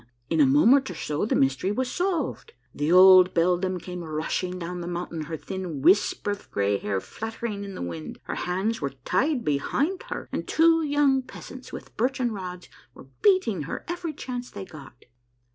In a moment or so the mystery was solved. The old beldam came rushing down the mountain, her thin wisp of gray hair fluttering in the wind. Her hands were tied behind her, and two young peasants with birchen rods were beating her every chance they got.